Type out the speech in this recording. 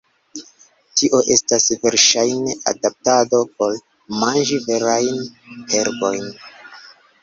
Tio estas verŝajne adaptado por manĝi verajn herbojn.